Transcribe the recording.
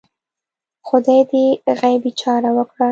خدای دې غیبي چاره وکړه